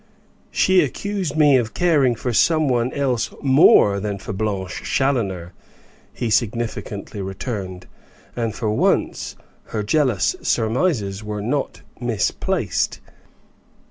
"She accused me of caring for some one else more than for Blanche Challoner," he significantly returned; "and for once her jealous surmises were not misplaced.